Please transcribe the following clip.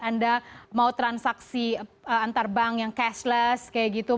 anda mau transaksi antar bank yang cashless kayak gitu